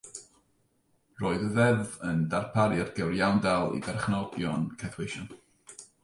Roedd y Ddeddf yn darparu ar gyfer iawndal i berchnogion caethweision.